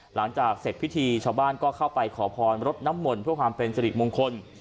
หลังจากเสร็จพิธีชาวบ้านก็เข้าไปขอพรรดน้ำมนต์เพื่อความเป็นสิริมงคล